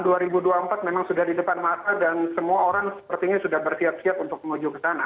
jadi tahun dua ribu dua puluh empat memang sudah di depan mata dan semua orang sepertinya sudah bersiap siap untuk menuju ke sana